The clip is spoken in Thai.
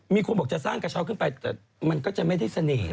มีคนบอกจะสร้างกระเช้าขึ้นไปแต่มันก็จะไม่ได้เสน่ห์